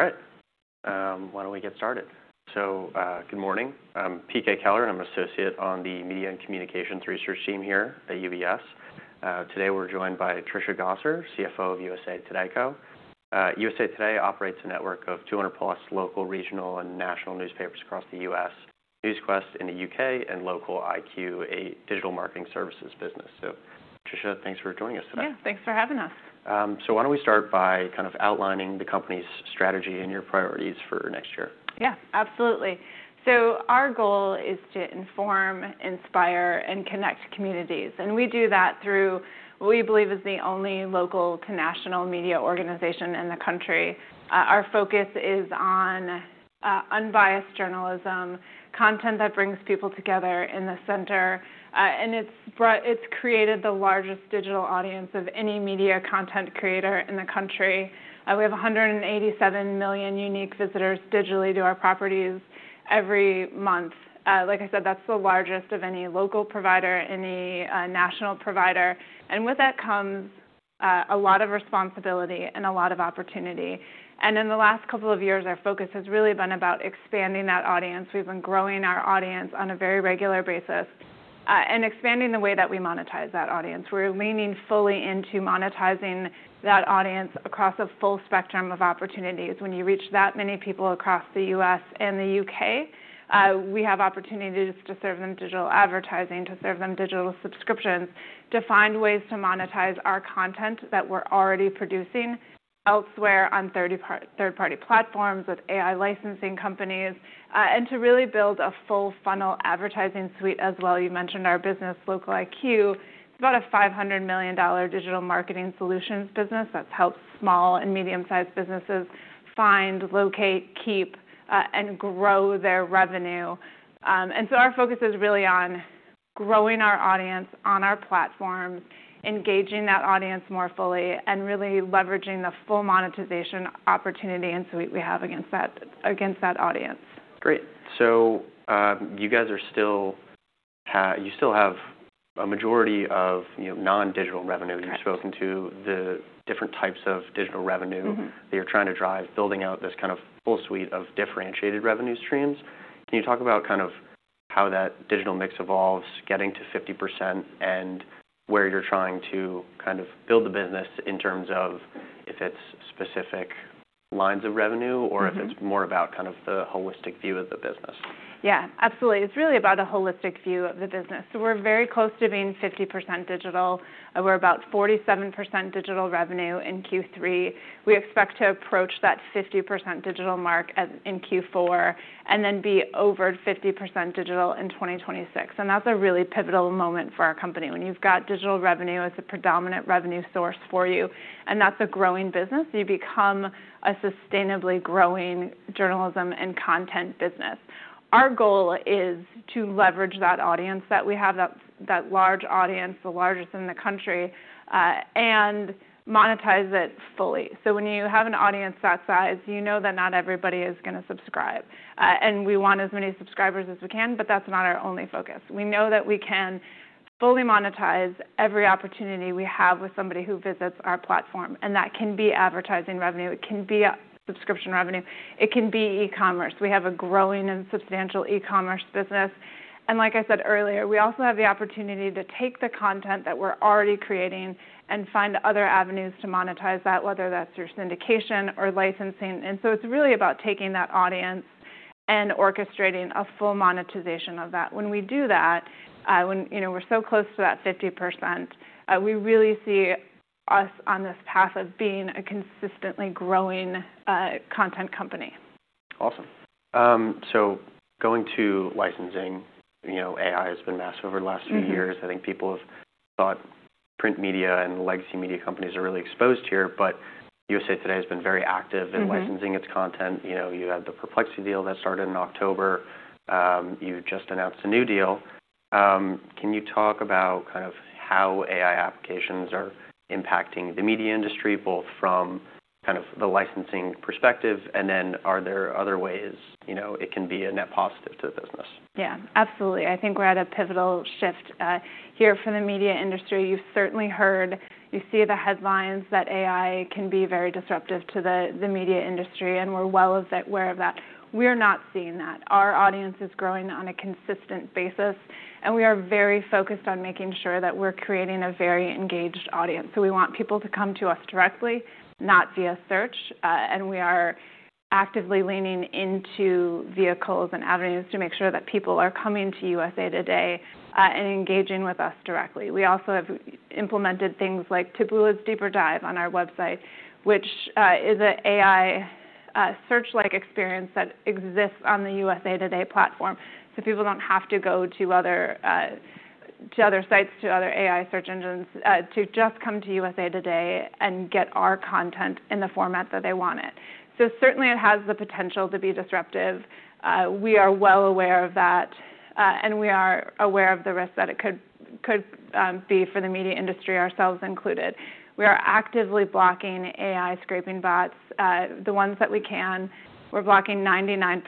All right. Why don't we get started? So, good morning. I'm PK Keller, and I'm an associate on the Media and Communications Research team here at UBS. Today we're joined by Trisha Gosser, CFO of USA TODAY Co. USA TODAY Co. operates a network of 200-plus local, regional, and national newspapers across the U.S., Newsquest in the U.K., and LOCALiQ, a digital marketing services business. So, Trisha, thanks for joining us today. Yeah, thanks for having us. So why don't we start by kind of outlining the company's strategy and your priorities for next year? Yeah, absolutely. So our goal is to inform, inspire, and connect communities, and we do that through what we believe is the only local to national media organization in the country. Our focus is on unbiased journalism, content that brings people together in the center, and it's brought, it's created the largest digital audience of any media content creator in the country. We have 187 million unique visitors digitally to our properties every month. Like I said, that's the largest of any local provider, any national provider, and with that comes a lot of responsibility and a lot of opportunity, and in the last couple of years, our focus has really been about expanding that audience. We've been growing our audience on a very regular basis, and expanding the way that we monetize that audience. We're leaning fully into monetizing that audience across a full spectrum of opportunities. When you reach that many people across the U.S. and the U.K., we have opportunities to serve them digital advertising, to serve them digital subscriptions, to find ways to monetize our content that we're already producing elsewhere on third-party platforms with AI licensing companies, and to really build a full funnel advertising suite as well. You mentioned our business, LocaliQ. It's about a $500 million digital marketing solutions business that's helped small and medium-sized businesses find, locate, keep, and grow their revenue. And so our focus is really on growing our audience on our platforms, engaging that audience more fully, and really leveraging the full monetization opportunity and suite we have against that, against that audience. Great. So, you guys are still, you still have a majority of, you know, non-digital revenue you've spoken to, the different types of digital revenue that you're trying to drive, building out this kind of full suite of differentiated revenue streams. Can you talk about kind of how that digital mix evolves, getting to 50%, and where you're trying to kind of build the business in terms of if it's specific lines of revenue or if it's more about kind of the holistic view of the business? Yeah, absolutely. It's really about a holistic view of the business. So we're very close to being 50% digital. We're about 47% digital revenue in Q3. We expect to approach that 50% digital mark in Q4 and then be over 50% digital in 2026. And that's a really pivotal moment for our company when you've got digital revenue as a predominant revenue source for you, and that's a growing business. You become a sustainably growing journalism and content business. Our goal is to leverage that audience that we have that large audience, the largest in the country, and monetize it fully. So when you have an audience that size, you know that not everybody is going to subscribe, and we want as many subscribers as we can, but that's not our only focus. We know that we can fully monetize every opportunity we have with somebody who visits our platform, and that can be advertising revenue. It can be subscription revenue. It can be e-commerce. We have a growing and substantial e-commerce business, and like I said earlier, we also have the opportunity to take the content that we're already creating and find other avenues to monetize that, whether that's through syndication or licensing, and so it's really about taking that audience and orchestrating a full monetization of that. When we do that, you know, we're so close to that 50%. We really see us on this path of being a consistently growing content company. Awesome, so going to licensing, you know, AI has been massive over the last few years. I think people have thought print media and legacy media companies are really exposed here, but USA TODAY has been very active in licensing its content. You know, you had the Perplexity deal that started in October. You just announced a new deal. Can you talk about kind of how AI applications are impacting the media industry, both from kind of the licensing perspective, and then are there other ways, you know, it can be a net positive to the business? Yeah, absolutely. I think we're at a pivotal shift here for the media industry. You've certainly heard. You see the headlines that AI can be very disruptive to the media industry, and we're well aware of that. We are not seeing that. Our audience is growing on a consistent basis, and we are very focused on making sure that we're creating a very engaged audience. So we want people to come to us directly, not via search, and we are actively leaning into vehicles and avenues to make sure that people are coming to USA TODAY, and engaging with us directly. We also have implemented things like Taboola's DeeperDive on our website, which is an AI search-like experience that exists on the USA TODAY platform. So people don't have to go to other sites, to other AI search engines, to just come to USA TODAY and get our content in the format that they want it. So certainly it has the potential to be disruptive. We are well aware of that, and we are aware of the risks that it could be for the media industry, ourselves included. We are actively blocking AI scraping bots, the ones that we can. We're blocking 99%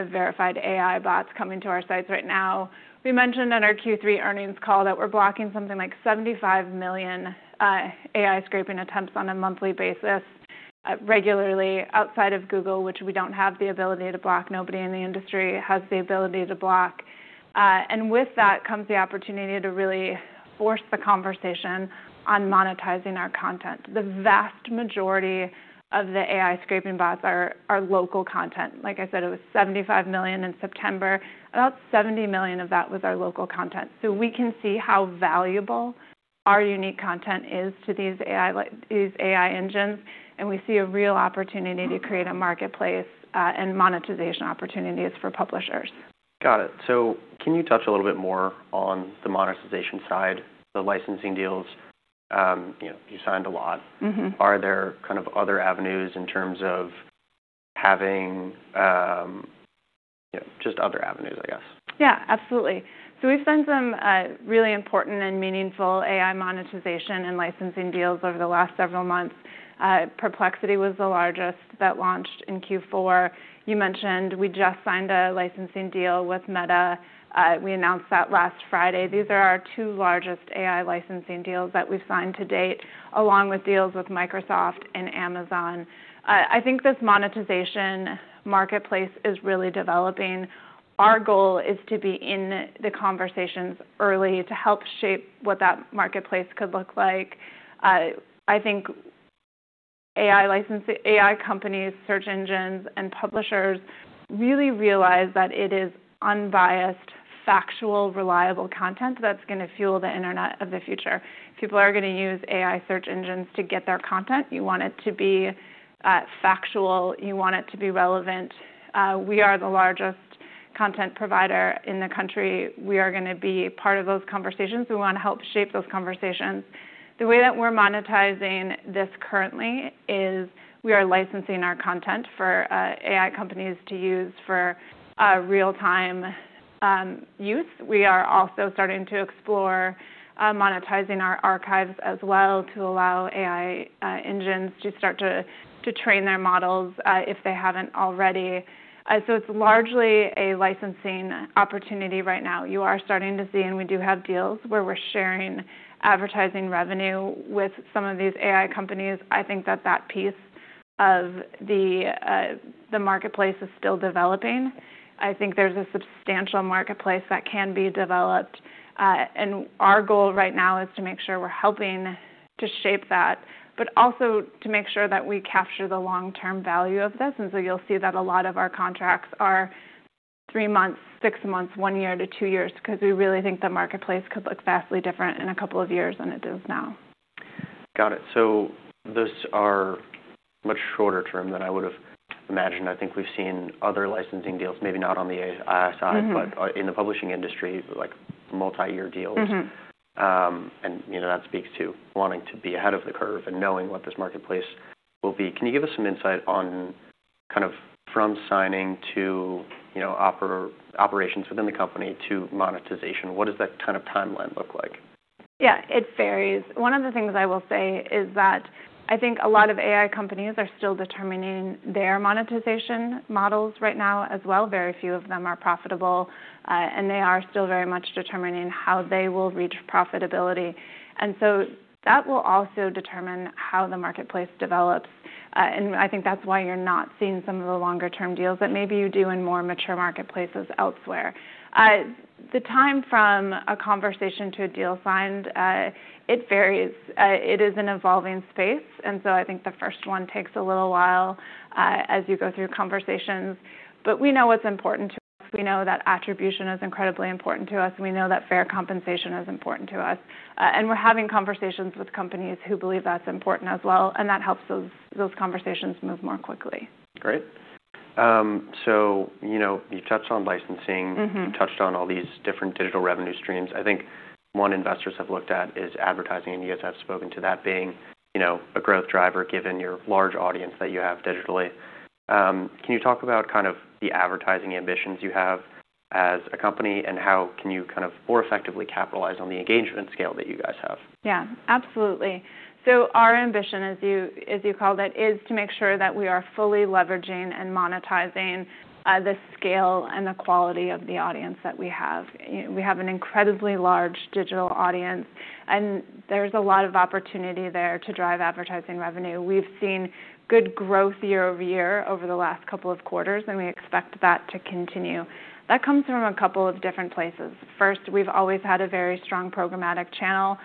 of verified AI bots coming to our sites right now. We mentioned on our Q3 earnings call that we're blocking something like 75 million AI scraping attempts on a monthly basis, regularly outside of Google, which we don't have the ability to block. Nobody in the industry has the ability to block. And with that comes the opportunity to really force the conversation on monetizing our content. The vast majority of the AI scraping bots are local content. Like I said, it was 75 million in September. About 70 million of that was our local content. So we can see how valuable our unique content is to these AI engines, and we see a real opportunity to create a marketplace and monetization opportunities for publishers. Got it. So can you touch a little bit more on the monetization side, the licensing deals? You know, you signed a lot. Are there kind of other avenues in terms of having, you know, just other avenues, I guess? Yeah, absolutely. So we've signed some really important and meaningful AI monetization and licensing deals over the last several months. Perplexity was the largest that launched in Q4. You mentioned we just signed a licensing deal with Meta. We announced that last Friday. These are our two largest AI licensing deals that we've signed to date, along with deals with Microsoft and Amazon. I think this monetization marketplace is really developing. Our goal is to be in the conversations early to help shape what that marketplace could look like. I think AI licensing, AI companies, search engines, and publishers really realize that it is unbiased, factual, reliable content that's going to fuel the internet of the future. People are going to use AI search engines to get their content. You want it to be factual. You want it to be relevant. We are the largest content provider in the country. We are going to be part of those conversations. We want to help shape those conversations. The way that we're monetizing this currently is we are licensing our content for AI companies to use for real-time use. We are also starting to explore monetizing our archives as well to allow AI engines to start to train their models, if they haven't already, so it's largely a licensing opportunity right now. You are starting to see, and we do have deals where we're sharing advertising revenue with some of these AI companies. I think that that piece of the marketplace is still developing. I think there's a substantial marketplace that can be developed, and our goal right now is to make sure we're helping to shape that, but also to make sure that we capture the long-term value of this. And so you'll see that a lot of our contracts are three months, six months, one year to two years, because we really think the marketplace could look vastly different in a couple of years, and it is now. Got it. So those are much shorter-term than I would have imagined. I think we've seen other licensing deals, maybe not on the AI side, but in the publishing industry, like multi-year deals. You know, that speaks to wanting to be ahead of the curve and knowing what this marketplace will be. Can you give us some insight on kind of from signing to, you know, operations within the company to monetization? What does that kind of timeline look like? Yeah, it varies. One of the things I will say is that I think a lot of AI companies are still determining their monetization models right now as well. Very few of them are profitable, and they are still very much determining how they will reach profitability. And so that will also determine how the marketplace develops. And I think that's why you're not seeing some of the longer-term deals that maybe you do in more mature marketplaces elsewhere. The time from a conversation to a deal signed, it varies. It is an evolving space. And so I think the first one takes a little while, as you go through conversations. But we know what's important. We know that attribution is incredibly important to us. We know that fair compensation is important to us. And we're having conversations with companies who believe that's important as well. That helps those conversations move more quickly. Great. So, you know, you've touched on licensing. You've touched on all these different digital revenue streams. I think one investors have looked at is advertising and you guys have spoken to that being, you know, a growth driver given your large audience that you have digitally. Can you talk about kind of the advertising ambitions you have as a company and how can you kind of more effectively capitalize on the engagement scale that you guys have? Yeah, absolutely. So our ambition, as you, as you called it, is to make sure that we are fully leveraging and monetizing the scale and the quality of the audience that we have. You know, we have an incredibly large digital audience, and there's a lot of opportunity there to drive advertising revenue. We've seen good growth year-over-year over the last couple of quarters, and we expect that to continue. That comes from a couple of different places. First, we've always had a very strong programmatic channel.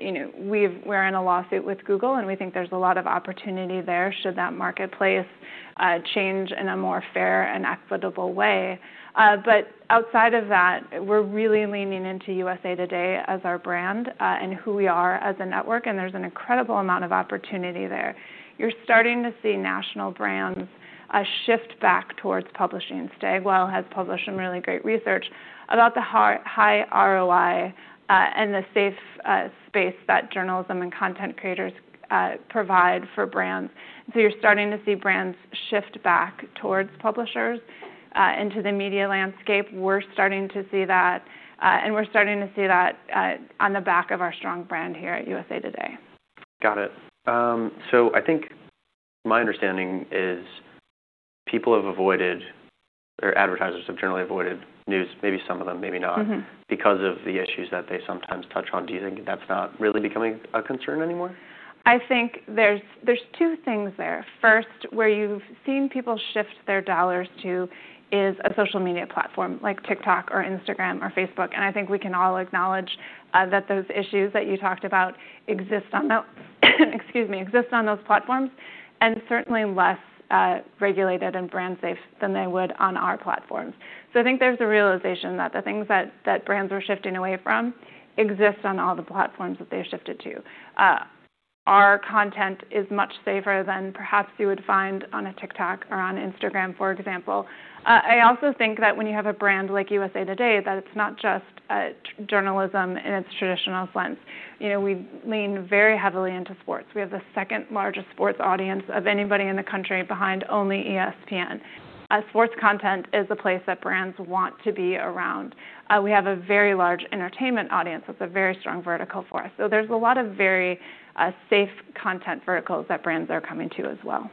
You know, we're in a lawsuit with Google, and we think there's a lot of opportunity there should that marketplace change in a more fair and equitable way, but outside of that, we're really leaning into USA TODAY as our brand, and who we are as a network, and there's an incredible amount of opportunity there. You're starting to see national brands shift back towards publishing. Stagwell has published some really great research about the high, high ROI, and the safe space that journalism and content creators provide for brands. And so you're starting to see brands shift back towards publishers, into the media landscape. We're starting to see that, and we're starting to see that, on the back of our strong brand here at USA TODAY. Got it. So I think my understanding is people have avoided, or advertisers have generally avoided news, maybe some of them, maybe not, because of the issues that they sometimes touch on. Do you think that's not really becoming a concern anymore? I think there's two things there. First, where you've seen people shift their dollars to is a social media platform like TikTok or Instagram or Facebook. And I think we can all acknowledge that those issues that you talked about exist on those platforms and certainly less regulated and brand safe than they would on our platforms. So I think there's a realization that the things that brands are shifting away from exist on all the platforms that they've shifted to. Our content is much safer than perhaps you would find on a TikTok or on Instagram, for example. I also think that when you have a brand like USA TODAY, that it's not just journalism in its traditional sense. You know, we lean very heavily into sports. We have the second largest sports audience of anybody in the country behind only ESPN. Sports content is a place that brands want to be around. We have a very large entertainment audience. That's a very strong vertical for us, so there's a lot of very safe content verticals that brands are coming to as well.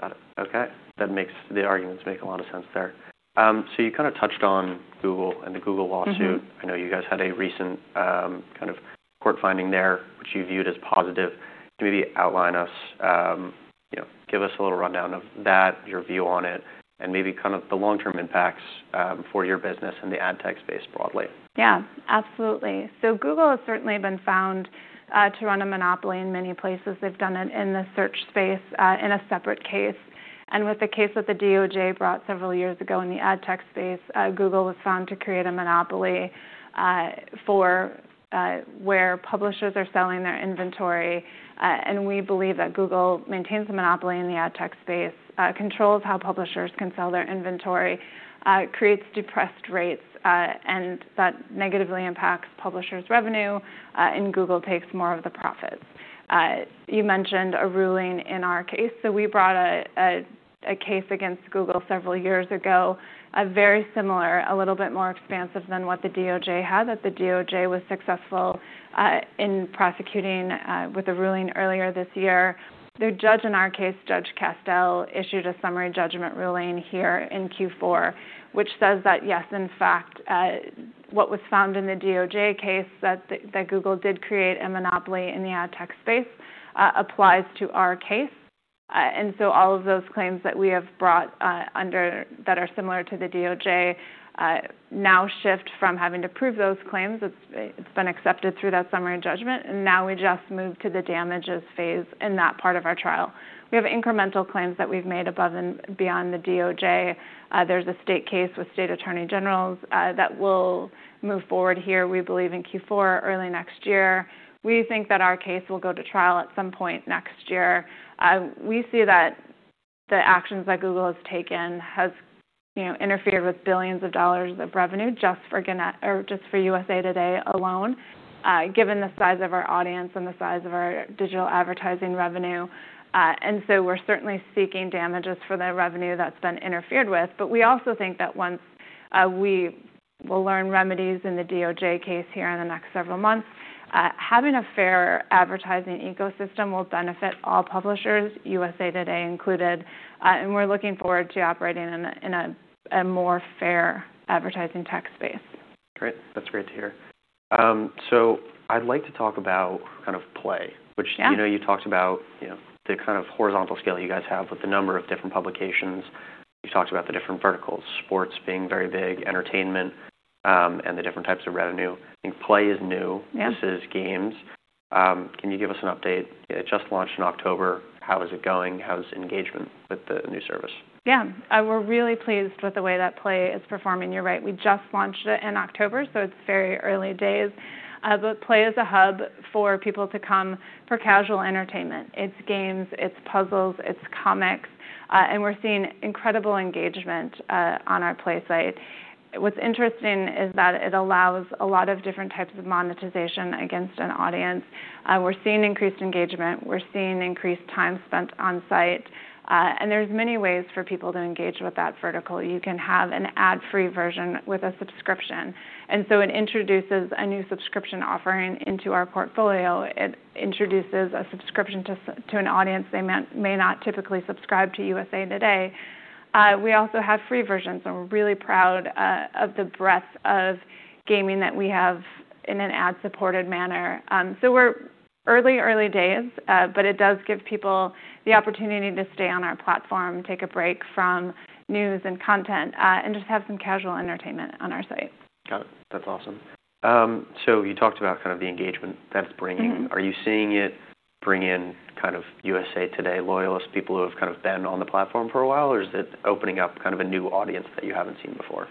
Got it. Okay. That makes the arguments make a lot of sense there. So you kind of touched on Google and the Google lawsuit. I know you guys had a recent, kind of court finding there, which you viewed as positive. Can you maybe outline us, you know, give us a little rundown of that, your view on it, and maybe kind of the long-term impacts, for your business and the ad tech space broadly? Yeah, absolutely. So Google has certainly been found to run a monopoly in many places. They've done it in the search space, in a separate case. With the case that the DOJ brought several years ago in the ad tech space, Google was found to create a monopoly where publishers are selling their inventory, and we believe that Google maintains a monopoly in the ad tech space, controls how publishers can sell their inventory, creates depressed rates, and that negatively impacts publishers' revenue, and Google takes more of the profits. You mentioned a ruling in our case. So we brought a case against Google several years ago, a very similar, a little bit more expansive than what the DOJ had, that the DOJ was successful in prosecuting, with a ruling earlier this year. The judge in our case, Judge Castel, issued a summary judgment ruling here in Q4, which says that yes, in fact, what was found in the DOJ case that Google did create a monopoly in the ad tech space, applies to our case. So all of those claims that we have brought, under that are similar to the DOJ, now shift from having to prove those claims. It's been accepted through that summary judgment. Now we just moved to the damages phase in that part of our trial. We have incremental claims that we've made above and beyond the DOJ. There's a state case with state attorneys general, that will move forward here, we believe, in Q4 early next year. We think that our case will go to trial at some point next year. We see that the actions that Google has taken has, you know, interfered with billions of dollars of revenue just for Gannett or just for USA TODAY alone, given the size of our audience and the size of our digital advertising revenue. And so we're certainly seeking damages for the revenue that's been interfered with. But we also think that once we will learn remedies in the DOJ case here in the next several months, having a fair advertising ecosystem will benefit all publishers, USA TODAY included. And we're looking forward to operating in a more fair advertising tech space. Great. That's great to hear. So I'd like to talk about kind of PLAY, which, you know, you talked about, you know, the kind of horizontal scale you guys have with the number of different publications. You talked about the different verticals, sports being very big, entertainment, and the different types of revenue. I think PLAY is new. This is games. Can you give us an update? It just launched in October. How is it going? How's engagement with the new service? Yeah. We're really pleased with the way that PLAY is performing. You're right. We just launched it in October, so it's very early days. But PLAY is a hub for people to come for casual entertainment. It's games, it's puzzles, it's comics. And we're seeing incredible engagement on our PLAY site. What's interesting is that it allows a lot of different types of monetization against an audience. We're seeing increased engagement. We're seeing increased time spent on site. And there's many ways for people to engage with that vertical. You can have an ad-free version with a subscription. And so it introduces a new subscription offering into our portfolio. It introduces a subscription to an audience they may not typically subscribe to USA TODAY. We also have free versions, and we're really proud of the breadth of gaming that we have in an ad-supported manner. So we're early, early days, but it does give people the opportunity to stay on our platform, take a break from news and content, and just have some casual entertainment on our site. Got it. That's awesome. So you talked about kind of the engagement that it's bringing. Are you seeing it bring in kind of USA TODAY loyalists, people who have kind of been on the platform for a while, or is it opening up kind of a new audience that you haven't seen before?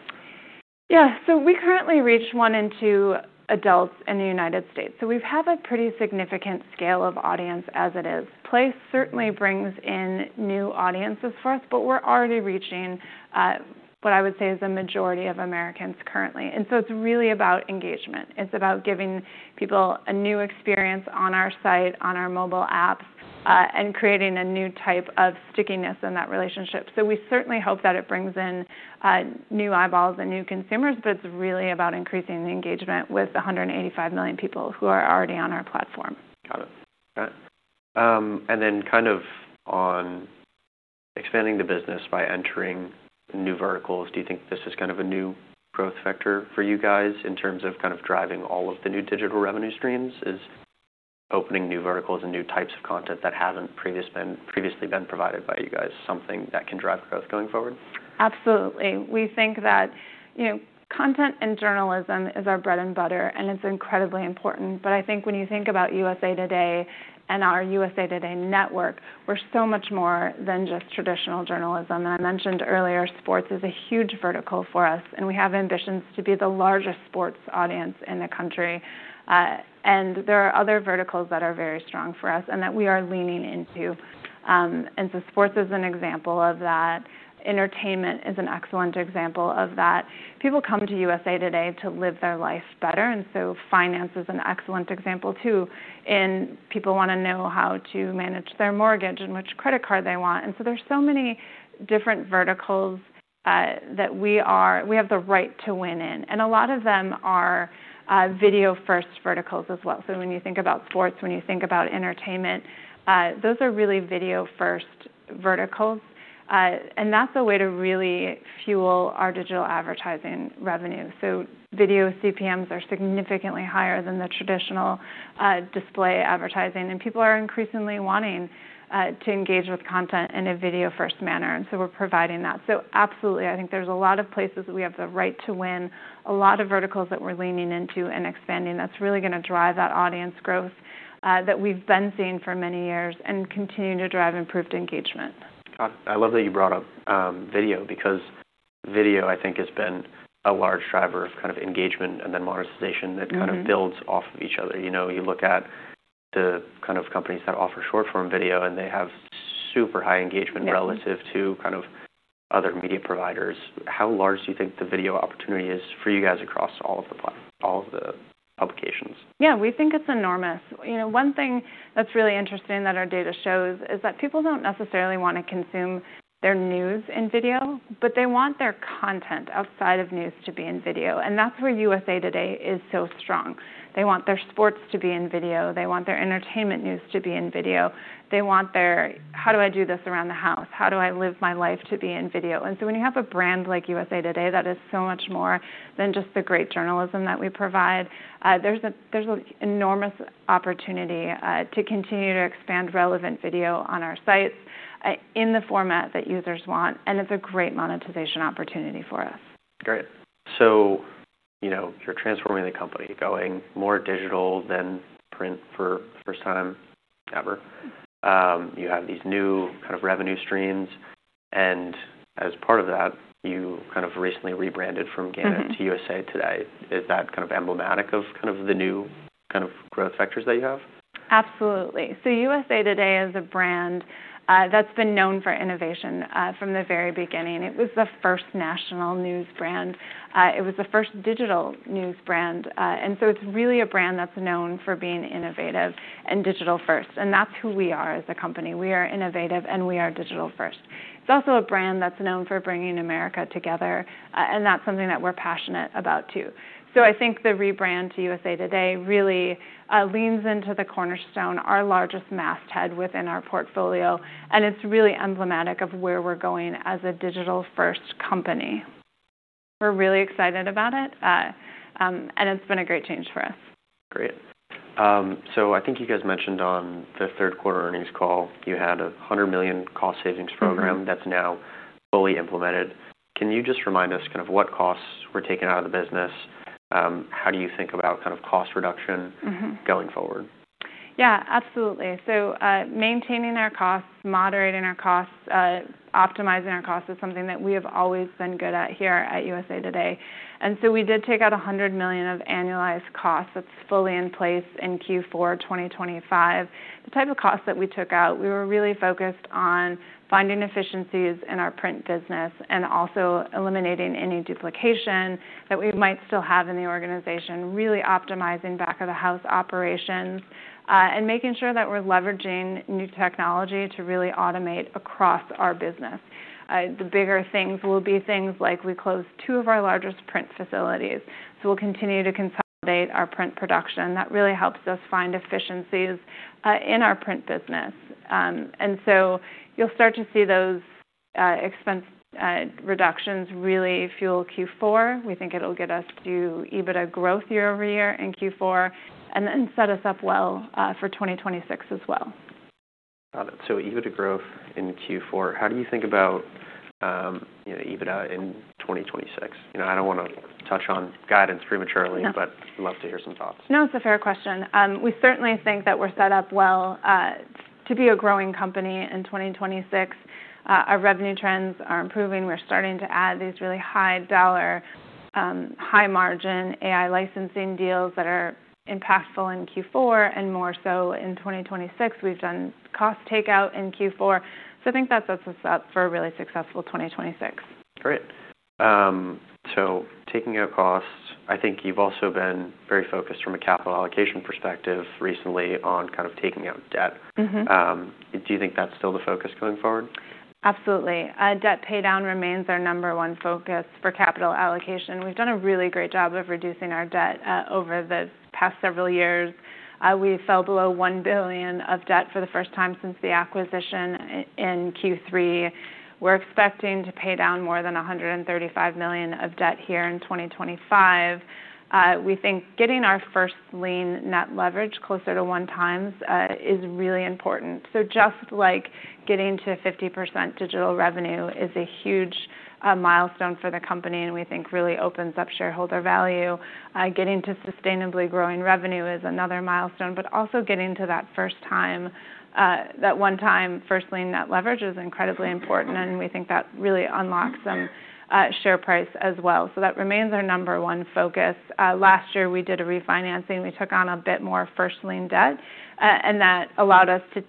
Yeah. So we currently reach one in two adults in the United States. So we have a pretty significant scale of audience as it is. PLAY certainly brings in new audiences for us, but we're already reaching what I would say is a majority of Americans currently. And so it's really about engagement. It's about giving people a new experience on our site, on our mobile apps, and creating a new type of stickiness in that relationship. So we certainly hope that it brings in new eyeballs and new consumers, but it's really about increasing the engagement with 185 million people who are already on our platform. Got it. All right, and then kind of on expanding the business by entering new verticals, do you think this is kind of a new growth factor for you guys in terms of kind of driving all of the new digital revenue streams? Is opening new verticals and new types of content that haven't previously been provided by you guys something that can drive growth going forward? Absolutely. We think that, you know, content and journalism is our bread and butter, and it's incredibly important. But I think when you think about USA TODAY and our USA TODAY network, we're so much more than just traditional journalism, and I mentioned earlier, sports is a huge vertical for us, and we have ambitions to be the largest sports audience in the country, and there are other verticals that are very strong for us and that we are leaning into, and so sports is an example of that. Entertainment is an excellent example of that. People come to USA TODAY to live their life better, and so finance is an excellent example too, and people want to know how to manage their mortgage and which credit card they want, and so there's so many different verticals that we are, we have the right to win in. A lot of them are video-first verticals as well. So when you think about sports, when you think about entertainment, those are really video-first verticals. And that's a way to really fuel our digital advertising revenue. So video CPMs are significantly higher than the traditional display advertising. And people are increasingly wanting to engage with content in a video-first manner. And so we're providing that. So absolutely, I think there's a lot of places we have the right to win, a lot of verticals that we're leaning into and expanding. That's really going to drive that audience growth that we've been seeing for many years and continue to drive improved engagement. Got it. I love that you brought up video because video, I think, has been a large driver of kind of engagement and then monetization that kind of builds off of each other. You know, you look at the kind of companies that offer short-form video, and they have super high engagement relative to kind of other media providers. How large do you think the video opportunity is for you guys across all of the platforms, all of the publications? Yeah, we think it's enormous. You know, one thing that's really interesting that our data shows is that people don't necessarily want to consume their news in video, but they want their content outside of news to be in video, and that's where USA TODAY is so strong. They want their sports to be in video. They want their entertainment news to be in video. They want their, how do I do this around the house? How do I live my life to be in video? and so when you have a brand like USA TODAY that is so much more than just the great journalism that we provide, there's an enormous opportunity to continue to expand relevant video on our sites, in the format that users want, and it's a great monetization opportunity for us. Great. So, you know, you're transforming the company, going more digital than print for the first time ever. You have these new kind of revenue streams. And as part of that, you kind of recently rebranded from Gannett to USA TODAY. Is that kind of emblematic of kind of the new kind of growth factors that you have? Absolutely. So USA TODAY is a brand that's been known for innovation from the very beginning. It was the first national news brand. It was the first digital news brand. And so it's really a brand that's known for being innovative and digital-first. And that's who we are as a company. We are innovative and we are digital-first. It's also a brand that's known for bringing America together. And that's something that we're passionate about too. So I think the rebrand to USA TODAY really leans into the cornerstone, our largest masthead within our portfolio. And it's really emblematic of where we're going as a digital-first company. We're really excited about it. And it's been a great change for us. Great. So I think you guys mentioned on the third quarter earnings call, you had a $100 million cost savings program that's now fully implemented. Can you just remind us kind of what costs were taken out of the business? How do you think about kind of cost reduction going forward? Yeah, absolutely. So, maintaining our costs, moderating our costs, optimizing our costs is something that we have always been good at here at USA TODAY. And so we did take out $100 million of annualized costs. That's fully in place in Q4 2025. The type of costs that we took out, we were really focused on finding efficiencies in our print business and also eliminating any duplication that we might still have in the organization, really optimizing back-of-the-house operations, and making sure that we're leveraging new technology to really automate across our business. The bigger things will be things like we closed two of our largest print facilities. So we'll continue to consolidate our print production. That really helps us find efficiencies in our print business. And so you'll start to see those expense reductions really fuel Q4. We think it'll get us to EBITDA growth year-over-year in Q4 and then set us up well for 2026 as well. Got it. So EBITDA growth in Q4. How do you think about, you know, EBITDA in 2026? You know, I don't want to touch on guidance prematurely, but I'd love to hear some thoughts. No, it's a fair question. We certainly think that we're set up well to be a growing company in 2026. Our revenue trends are improving. We're starting to add these really high-dollar, high-margin AI licensing deals that are impactful in Q4 and more so in 2026. We've done cost takeout in Q4. So I think that sets us up for a really successful 2026. Great. So taking out costs, I think you've also been very focused from a capital allocation perspective recently on kind of taking out debt. Do you think that's still the focus going forward? Absolutely. Debt paydown remains our number one focus for capital allocation. We've done a really great job of reducing our debt over the past several years. We fell below $1 billion of debt for the first time since the acquisition in Q3. We're expecting to pay down more than $135 million of debt here in 2025. We think getting our first lien net leverage closer to one times is really important. So just like getting to 50% digital revenue is a huge milestone for the company, and we think really opens up shareholder value, getting to sustainably growing revenue is another milestone, but also getting to that first time, that one-time first lien net leverage is incredibly important. And we think that really unlocks some share price as well. So that remains our number one focus. Last year we did a refinancing. We took on a bit more first lien debt, and that allowed us to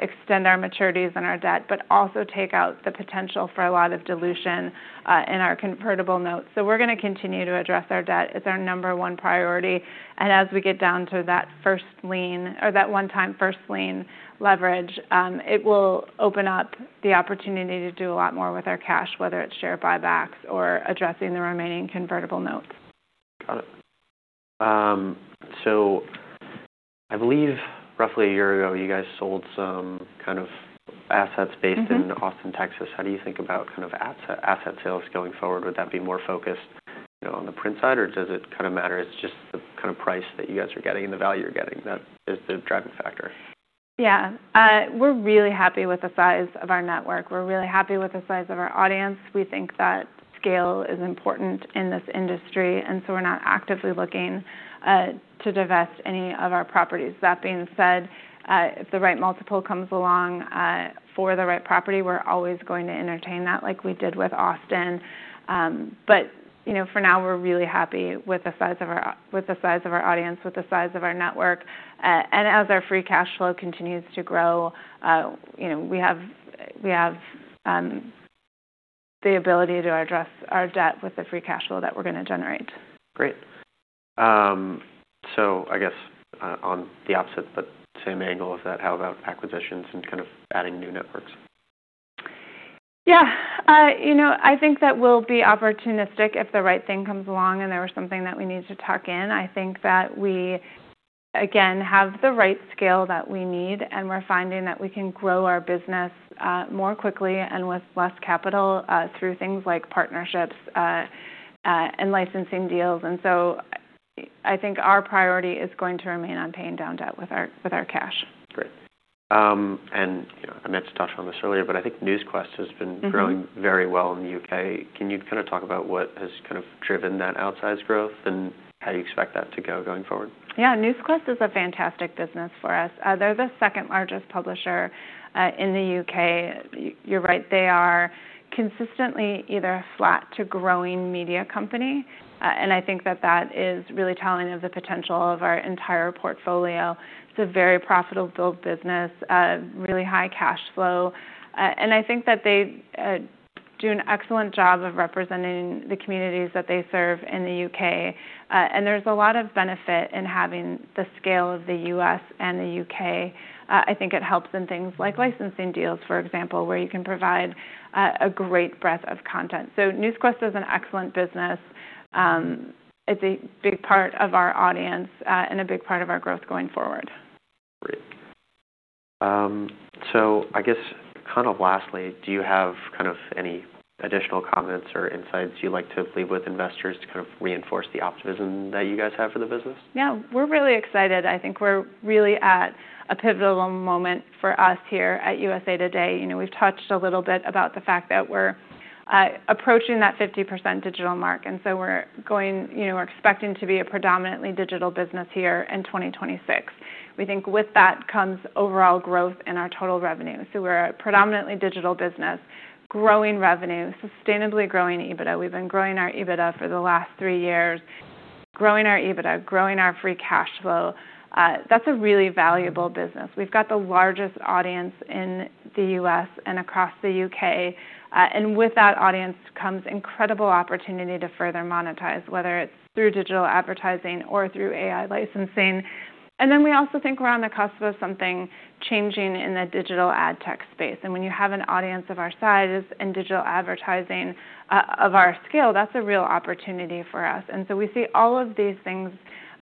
extend our maturities and our debt, but also take out the potential for a lot of dilution in our convertible notes. So we're going to continue to address our debt. It's our number one priority. And as we get down to that first lien or that one-times first lien leverage, it will open up the opportunity to do a lot more with our cash, whether it's share buybacks or addressing the remaining convertible notes. Got it. So I believe roughly a year ago, you guys sold some kind of assets based in Austin, Texas. How do you think about kind of asset sales going forward? Would that be more focused, you know, on the print side, or does it kind of matter? It's just the kind of price that you guys are getting and the value you're getting that is the driving factor? Yeah. We're really happy with the size of our network. We're really happy with the size of our audience. We think that scale is important in this industry. And so we're not actively looking to divest any of our properties. That being said, if the right multiple comes along for the right property, we're always going to entertain that like we did with Austin. But you know, for now, we're really happy with the size of our audience, with the size of our network. And as our free cash flow continues to grow, you know, we have the ability to address our debt with the free cash flow that we're going to generate. Great, so I guess, on the opposite, but same angle of that, how about acquisitions and kind of adding new networks? Yeah, you know, I think that we'll be opportunistic if the right thing comes along and there was something that we need to tuck in. I think that we, again, have the right scale that we need, and we're finding that we can grow our business more quickly and with less capital through things like partnerships and licensing deals. And so I think our priority is going to remain on paying down debt with our cash. Great. And, you know, I meant to touch on this earlier, but I think Newsquest has been growing very well in the UK. Can you kind of talk about what has kind of driven that outsized growth and how you expect that to go going forward? Yeah. Newsquest is a fantastic business for us. They're the second largest publisher in the U.K. You're right. They are consistently either a flat to growing media company, and I think that that is really telling of the potential of our entire portfolio. It's a very profitable business, really high cash flow, and I think that they do an excellent job of representing the communities that they serve in the U.K. There's a lot of benefit in having the scale of the U.S. and the U.K. I think it helps in things like licensing deals, for example, where you can provide a great breadth of content, so Newsquest is an excellent business. It's a big part of our audience, and a big part of our growth going forward. Great. So I guess kind of lastly, do you have kind of any additional comments or insights you'd like to leave with investors to kind of reinforce the optimism that you guys have for the business? Yeah, we're really excited. I think we're really at a pivotal moment for us here at USA TODAY. You know, we've touched a little bit about the fact that we're approaching that 50% digital mark, and so we're going, you know, we're expecting to be a predominantly digital business here in 2026. We think with that comes overall growth in our total revenue, so we're a predominantly digital business, growing revenue, sustainably growing EBITDA. We've been growing our EBITDA for the last three years, growing our EBITDA, growing our free cash flow. That's a really valuable business. We've got the largest audience in the U.S. and across the U.K., and with that audience comes incredible opportunity to further monetize, whether it's through digital advertising or through AI licensing, and then we also think we're on the cusp of something changing in the digital ad tech space. And when you have an audience of our size in digital advertising, of our scale, that's a real opportunity for us. And so we see all of these things,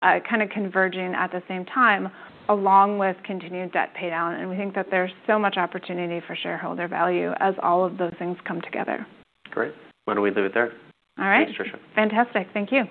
kind of converging at the same time along with continued debt paydown. And we think that there's so much opportunity for shareholder value as all of those things come together. Great. Why don't we leave it there? All right. Thanks, Trisha. Fantastic. Thank you.